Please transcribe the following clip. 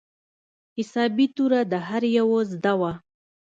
حسابي توره د هر يوه زده وه.